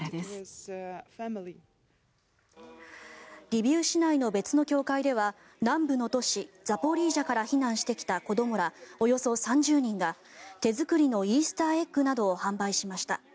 リビウ市内の別の教会では南部の都市ザポリージャから避難してきた子どもらおよそ３０人が手作りのイースターエッグなどを販売しました。